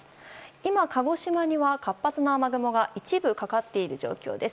今、鹿児島には活発な雨雲が一部かかっている状況です。